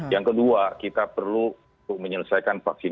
yang kedua kita perlu menyelesaikan vaksinasi satu dan dua